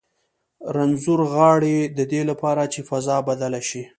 رنځور غاړي د دې لپاره چې فضا بدله شي.